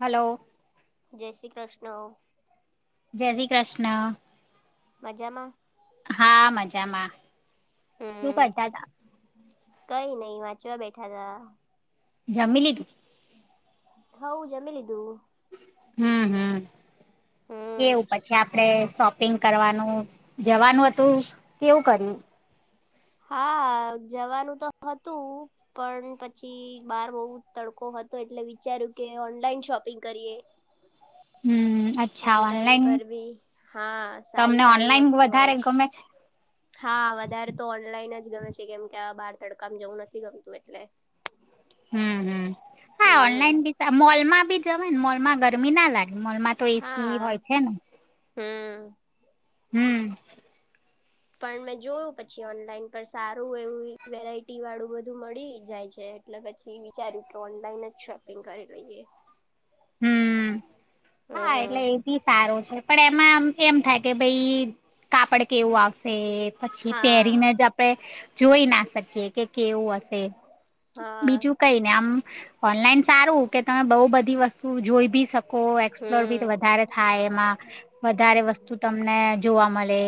Hello જય શ્રી કૃષ્ણ. હરી કૃષ્ણ. મજામાં. હા મજામાં શું હમ કરતા હતા. કઈ નઈ વાંચવા બેઠા ત. જમીલીી તું. હઉ જમીલ દું. હમ હમ હમ કેવું પછી આપડે શોપિંગ કરવાનું જવાનું હતું કેવું કર્યું હા જવાનું તો હતું પણ પછી બાર બહુ તડકો હતો એટલે વિચાર્યું કે ઓનલાઈન શોપિંગ કરીએ હમ ઓનલાઈન પર બી હા સારી તમને સારી ઓનલાઈન વસ્તુ હોય વધારે જ ગમે છે હા વધારે તો ઓનલાઈન જ ગમે છે કેમ કે આ બહાર તડકામાં જવું નથી ગમતું એટલે હમ હ હા હમ ઓનલાઈન બી મોલમાં બી જવાય ને મોલ માં ગરમી ના લાગે મલ માં તો એસી હા હોય છે ને હમ હમ પણ મેં જોયું પછી ઓનલાઈન પર સારું એવું વેરાયટી વાળું બધું મળી જાય છે એટલે પછી વિચાર્યું ઓનલાઈન જ શોપિંગ કરી લઈએ હમ હા એટલે હમ એ બી સારો છે પણ એમાં એમ થાય કે ભાઈ કાપડ કેવું આવશે પછી હા પહેરીને જ આપણે જોઈ ના શકીએ કે કેવું હશે હા બીજું કઈ ને આમ ઓનલાઈન સારું કે તમે બઉુ બધી વસ્તુ જોઈ ભી શકો લોર બી હમ વધારે થાય એમાં વધારે વસ્તુ તમને જોવા મળે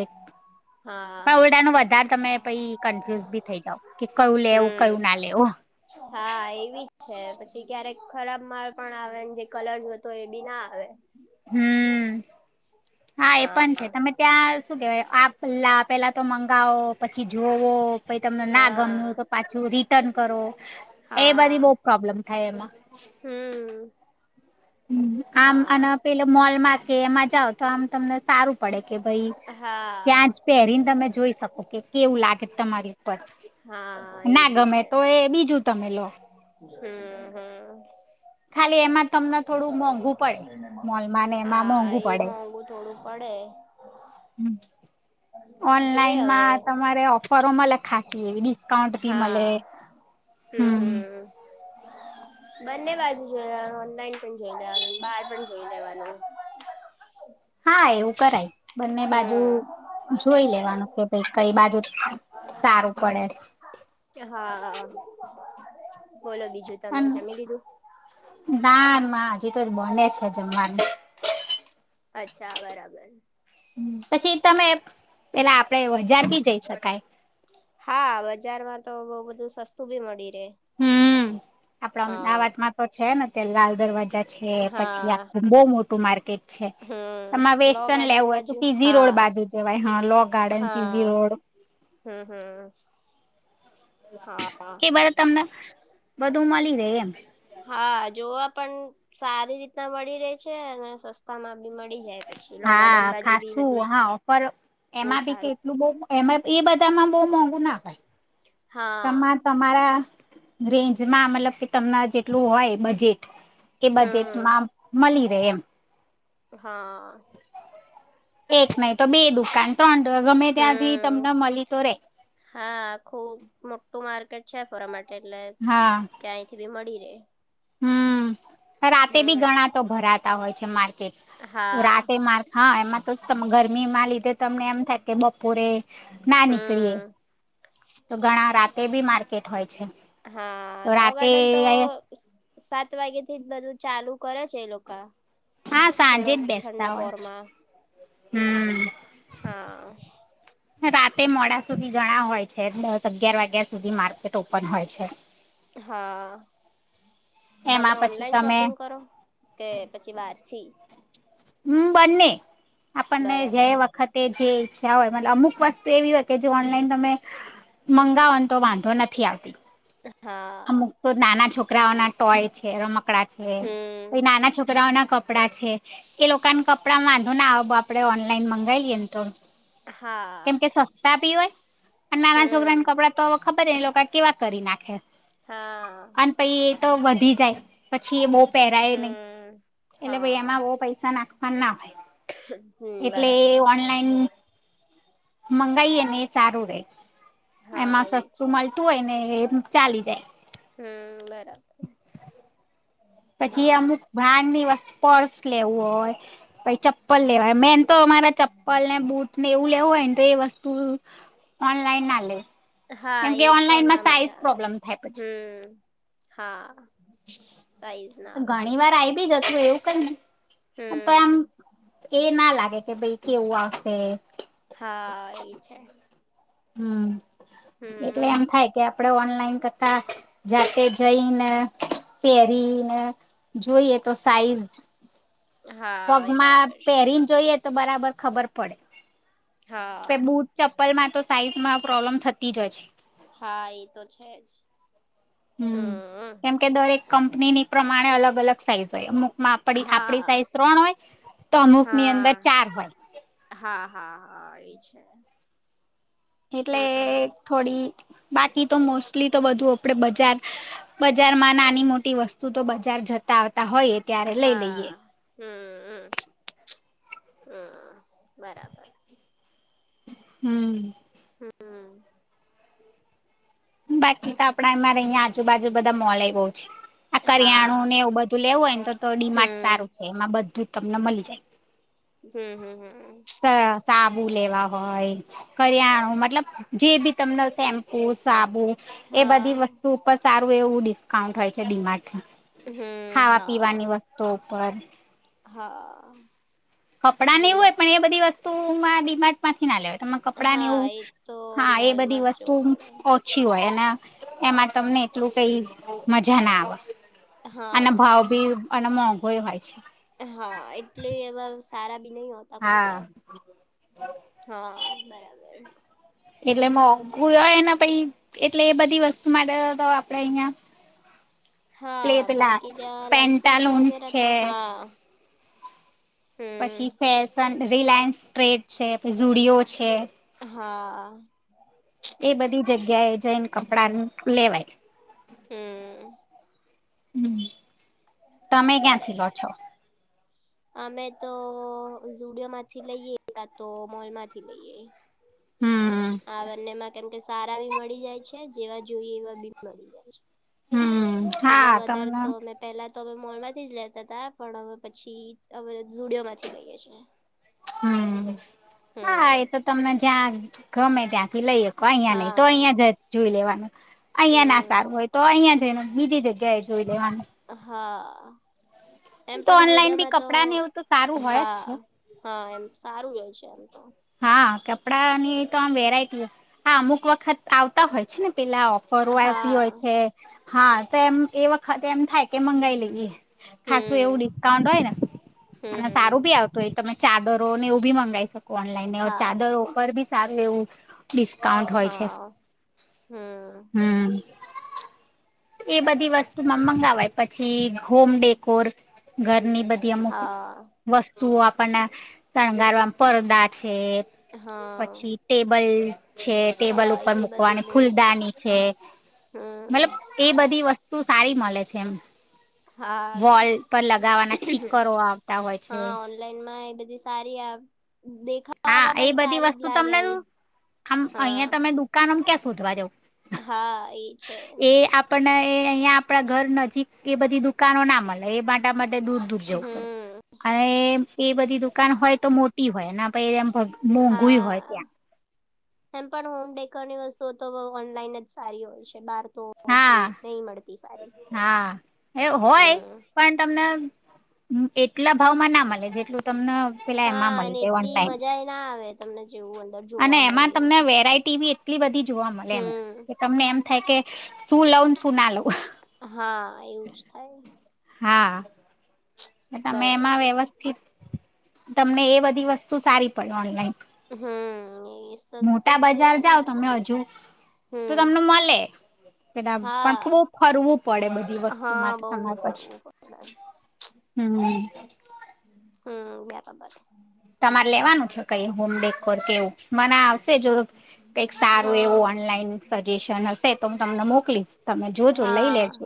હા હા ન વધારે તમે પ કન્ફ્યુઝ બી થઈ જાવ કે કયું લેવું કયું હમ ના લેવું હા એવીજ છે પછી ક્યારેક ખરાબ માલ પણ આવે જે કલર જોતો એ બી ના આવે હમ હા એ પણ છે તમે ત્યાં શું કેવાય આપ પલા પેલા તો મંગાવો પછી જો જોવો પછી તમને ના હા ગમ્યું તો પાછું રિટર્ન કરો એ બધી બઉ હા પ્રોબ્લેમ થાય એમાં હમ હ આમ હા અને પેલો મોલ માં કે એમાં જાવ તો આમ તમને સારું પડે કે ભાઈ હા ત્યાં જ પહેરીને તમે જોઈ શકો કે કેવું લાગે તમારે પન હા એ ના બી ગમે છે તો એ બીજું તમે લો હમ હમ ખાલી એમાં તમને થોડું મોંઘું પડે મોલમાંને એમાં હા મોંઘું પડે મોંઘું થોડું એ હમ જોઈ ઓનલાઈનમાં હવે તમારે ઓફરો મળે ખાાસસી એવી ડિસ્કાઉન્ટ બી મળે હા હમ હમ [unintelligible] બંને બાજુ જોઈ લવાનું ઓનલાઈન પણ જોઈ લેવાનું બહાર પણ જોઈ લેવાનું હા એવું કરાય બંને બાજુ હમ જોઈ લેવાનું કે ભાઈ કઈ બાજુ સારું પડે હા હા એમ ના ના હજી તો જ બને છે તે છે માટે [unintelligible] અચ્છા બરાબર પછી તમે પેલા આપડે હજાર બી જઈ શકાય બજાર તો બઉ બધું સસ્તું બી મળી રહેે હમ આપડા આ અમદાવાદમાં તો છે ને તે લાલ દરવાજા પછી હા આખુ બઉ મોટું માર્કેટ છે તમાર હમ લો વેસ્ટર્ન ગાર્ડન લેવું હોય તો બાજુ સીજી રોડ હા બાજુ જવાય હા લો ગાર્ડન સીઝી હા રોડ હમ હમ હા કે બ તમને બધું મળી રહે એમ હા જોવા પણ સારી રીતના મળી રહે છે અને સસ્તા માં બી મળી જાય પછી લો હા ગાર્ડન બાજુ બી ખાસું બધું હા ઓફર બહુ એમાં બી સારું કેટલું બહુ એમાં એ બધામાં બઉ મોંઘુ ના હોય તમાર હા, તમારા રેન્જમાં મતલબ કે તમને જેટલું હોય બજેટ કે હમ, બજેટમાં મળી રહે એમ હા એક નહી તો બે દુકાન ત્રણ ગમે ત્યાંથી તમને હમ, મળી તો રે હા, ખૂબ મોટું માર્કેટ છે ધોડા માટે એટલે હા ક્યાયથી બી મળી રહેે હમ રાતે બી ગણા તો ભરાતા હોય છે માર્ટ હા, રાતે માર હા એમાં તો ગરમી માં લીધે તમને એમ થાય કે બપોરે ના નીકળીએ. હમ, તો ઘણા રાતે બી માર્કેટ હોય છે હા, તો લો રાતે ગાર્ડન તો સ- સાત વાગ્યા થી જ બધું ચાલુ કરે છે એ લોકા હા સાંજે જ થોડોક બેસતા ઠંડા હોય છે. પોરમાં હમ. હા. તે મોડા સુધી ઘણા હોય છે દસ અગિયાર વાગ્યા સુધી માર્કેટ ઓપન હોય છે. હા. તમે એમાં પછી ઓનલાઈન તમે શોપિંગ કરો કે પછી બારથી હમ બંને આપણને જે બરાબર વખતે જે [unintelligible] હોય મતલબ અમુક વસ્તુ એવી હોય કે જે ઓનલાઈન તમે મંગાવોન તો વાંધો નથી આવતી. હા, અમુક તો નાના છોકરાઓના ટોય છે રમકડા છે હમ, નાના છોકરાઓના કપડાં છે એ લોકાન કપડાં વાંધો ના આવે આપડે ઓનલાઈન મંગાવીએ ને તો કેમ હા. [unintelligible] હોય અન નાના છોકરાન હમ, કપડાં તો હવે ખબર એ લોકો કેવા કરી નાખે. હા. અને પહી એ તો વધી જાય. પછી એ બહુ પહેરાય નહી હમ એટલે ભઈ હા એમાં બહુ પૈસા નાખવાન ના હોય. હમ એટલે બરાબર ઓનલાઈન મંગાઈએ ને એ સારું રે હા એમાં એ સસ્તું છે મળતું હોય ને એ ચાલી જાય. હમ બરાબર. પછી હા અમુક બ્રાન્ડ ની વસ્તુ પર્સ લેવું હોય પછી ચપલ લેવાય. મેન તો અમારા ચપ્પલ ને બુટ ને એવું લેવું હોય ને તો એ વસ્તુ ઓનલાઈન ના લે હા એ તો ના મજા આવે થાય પછી હમ હા. સાઈઝ ના [inaudible] આવે ઘણી વાર સરખી આવી બી જતું હોય એવું કંઈ નઇ હમ તોય આમ એ ના લાગે. કે ભાઈ કેવું આવશે. હા એ છે. હમ એટલે હમ એમ થાય કે આપણે ઓનલાઈન કરતા જાતે જઈને પહેરીને જોઈએ તો સાઈઝ હા એ પગમાં બરાબર પહેરીને જોઈએ તો બરાબર ખબર પડે. હા. ચપલમાં તો સાઈઝમાં પ્રોબ્લેમ થતી જ હશે. હા એ તો છે જ હમ. કેમ કે દરેક કંપનીની પ્રમાણે અલગ અલગ સાઈઝ હોય અમ. આપ આપડી હા સાઈઝ ત્રણ હોય તો અમુક ની અંદર હા ચાર હોય. હા હા હા એ છે. એટલે હમ થોડી બાકી તો મોસ્ એટલી તો બધું આપડે બજાર બજાર માં નાની મોટી વસ્તુ તો બજાર જતા હોયએ ત્યારે લઈ લઈએ. હા હમ હમ બરાબર. હમ. હમ બાકી તો આપડા એમાંરે રહીયાં આજુ બાજુ બધા મોલ આવ ગ આ કરિયાણું હા. ને એવું બધું લેવું હોય ને તો ડીમાર્ડ હમ સારું છે એમાં બધું જ તમને મળી જાય. હમ હમ હમ. સાબુ લેવા હોય કરિયાણું મતલબ જે બી. તમને શેમ્પુ સાબુ એ બધી હા. વસ્તુ ઉપર સારું એવું ડિસ્કાઉન્ટ હોય છે ડીમાડ હમ ખાવા પીવાની હા. વસ્તુ ઉપર. હા. કપડાં એવું હોય ડીમાર્ટ પણ એ બધી વસ્તુમાં ડિમાર્ટ માંથી ના લેવાય તમા કપડા ને હા એવું એ તો હા એ બધી મોલમાં જ વસ્તુ જવું પડે. ઓછી હોય. એમાં તમને એટલું કઈ મજા ના આવે. અને હા ભાવ ભી અને મોંઘોય હોય છે. હા એટલે એવા સારા નહ હોતા હા કપડા હા બરાબર. એટલે મોંઘું હોયને પ એટલે એ બધી વસ્તુ માટે આપડે અહિયાં હા પ્લે પેલા બાકી ત્યાં લંચબોક્સ પેન્ટાલૂન વગેરે છે તો હા. હમ. પછી ફેશન રિલાયન્સ ટ્રેડ છે પ જુડિયો છે. હા. એ બધી જગ્યા એ જઈને કપડા લેવાય. હમ. હમ તમે ક્યાંથી લો બરાબર. છો? અમે તો ઝુડિયોમાંથી લઈએ કા તો મોલ માંથી લઈએ. હમ આ બંનેમાં કેમ કે સારા બી મળી જાય છે જેવા જોઈએ એવા બી મળી જાય છે. હમ એટલે હા વધારે તમને તો અમે પેલા. તો અમે મોલ માંથી જ લેતા હતાા પણ હ પછી હ. હમ હા હમ એ તો તમને જ્યાં. ગમે ત્યાંથી લઈકો અહિયાં નઈ તો હા અહિયાં જ જોઈ લેવાનું અહિયાં ના હમ સારું હોય તો અહિયાં જ બીજી જગ્યાએ જોઈ લેવા. હા. એમ તો ઓનલાઈન બી પણ ુડિયામાં તો કપડા ને એવું તો સારું હોય જ હા છે હા એમ સારું રહ છે. ચાલતો હા કપડાની તો આમ વેરાયટી હોય હા અમુક વખત આવતા હોય છે ને. પેલા ઓફરો આવતી હોય હા છે હા તો એમ એ વખત એમ થાય કે મંગાવી લઈએ. ખાસું એવું હમ ડિસ્કાઉન્ટ હોય ને હમ અને સારું હમ બી આવતું હોય તમે. ચાદરો ને એવું બી મંગાવી શકું ઓનલાઈનને હા ચાદરો પરર બી સારું એવું. ડિસ્કાઉન્ટ હોય છે હા હમ હમ. એ બધી વસ્તુમાં મંગાવાય પછી. હોમ ડેકોર ઘરની બધી અમુક હા વસ્તુઓ આપ આપને શણગારવા પડદા છે હા પછી ટેબલ છે ટેબલ હા ઉપર એ બધું મૂકવાની મે ફૂલદાની છે. મતલબ હમ એ બધી વસ્તુ સારી મળે છે એમ હા વોલ પર લગાવવાના સ્ટીકરો આવતા હોય છે. જી સારી આપ. હા એ બધી વસ્તુ તમને એમ આમ હા અહિયાં તમે દુકાનમ ક્યાં શોધવા જવ. હા એ છે. આપણને અહિયાં આપડા ઘર નજીક એ બધી દુકાનો ના મળે એ માટે. દૂર દૂર જવું પડે હમ અને એ બધી દુકાન હોય તો મોટી હોય. પમ મોંઘુંય હોય હા ત્યાં. એમ પણ હોમ ડેકોરની વસ્તુઓ તો ઓનલાઈન જ સારી હોય છે બહાર. તો હા એટલી નહી મળતી. સારી હા એવું હોય હમ પણ તમને. એટલા ભાવમાં ના મળે જેટલું તમને પેલા એમાં હા મળે અને તેન એટલી ટાઈમ. મજા એ ના આવે તમને જેવું અંદર અને જોવા મળે એમાં તમને એવું વેરાઈટી બી એટલી બધી જોવા મળે એમ હમ કે તમને એમ. થાય કે સુ લઉ ન સુ ના લઉ. હા એવું જ થાય. હા, ને તમે એમાં બરાબર વ્યવસ્થિત તમને એ બધી વસ્તુ સારી પડે ઓનલાઈન. હમ્મ, એ મોટા સસ્તી બી બજાર રેન, જાઓ તમે હજુ હમ્મ. પેન પણ ફુ ફરવું પડે બધી વસ્તુ હા માટે બહુ તમારે પછી. ફરવું પડે હમ્મ. હમ્મ, બરાબર. તમારે લેવાનું છે કઈ હોમ ડેકોર કે એવું, મના આવશે જો કઈક સારું હા એવું ઓનલાઈન સજેશન હશે તો હું તમને મોકલીશ. તમે જોજો લઈ હા, લેજો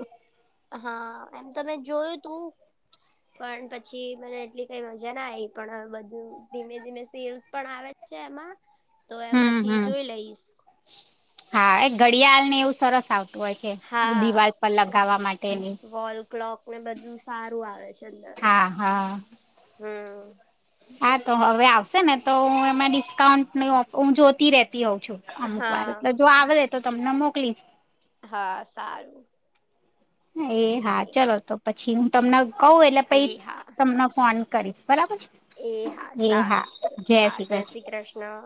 હા, એમ તો મે જોયું તું. પણ પછી મને એટલી કઈ મજા ના આઈ પણ હવે બધું, ધીમે ધીમે સેલ્સ પણ આવે જ છે એમાં તો હમ એમાંથી હમ જોઈ લઈશ. ગડિયાલ ને એવું સરસ આવ તું હોય છે બ હા દિવાલ પર લગાવા માટેની. વોલ ક્લોક ને બધું સારું હા હા. હમ્મ. હા તો હવે આવશે ને તો, એમાં ડી સકાઉન્ટની ઓફર હું જોતી રેતી હોઉં છું અમુક વાર, એટલે હા જો આવડે, તો તમને મોકલીશ. હા સારું. એ હા, ચલો તો પછી હું તમને કવું એટલે પઈ એ હા તમને ફોન કરીશ, બરાબર છે? એ હા સારું, ચલો, હા, જય કૃષ્ણ શ્રી કૃષ્ણ.